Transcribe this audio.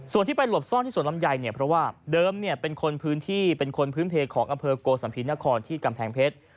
ส่วนที่ไปหลบซ่อนที่สวนลำไยเนี่ยเพราะว่าเดิมเนี่ยเป็นคนพื้นที่เป็นคนพื้นเพของอำเภอโกสัมภีนครที่กำแพงเพชร